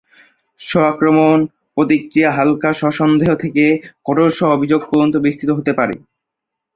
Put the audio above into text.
স্ব-আক্রমণ প্রক্রিয়া হাল্কা স্ব-সন্দেহ থেকে কঠোর স্ব-অভিযোগ পর্যন্ত বিস্তৃত হতে পারে।